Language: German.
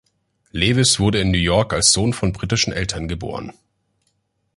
Lewis wurde in New York als Sohn von britischen Eltern geboren.